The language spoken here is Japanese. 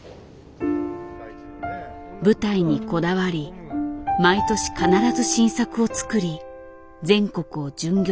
舞台にこだわり毎年必ず新作を作り全国を巡業した。